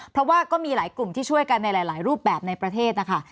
เพราะว่าก็มีหลายกลุ่มที่ช่วยกันในหลายรูปแบบในประเทศนะคะ